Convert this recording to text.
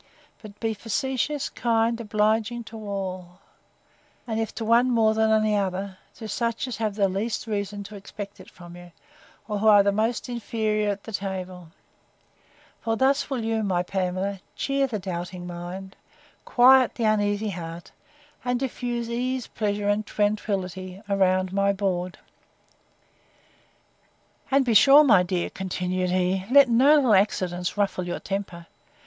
But be facetious, kind, obliging to all; and, if to one more than another, to such as have the least reason to expect it from you, or who are most inferior at the table; for thus will you, my Pamela, cheer the doubting mind, quiet the uneasy heart, and diffuse ease, pleasure, and tranquillity, around my board. And be sure, my dear, continued he, let no little accidents ruffle your temper.